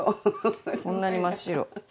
こんなに真っ白。